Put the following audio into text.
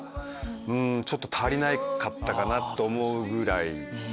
うんちょっと足りなかったかなと思うぐらい。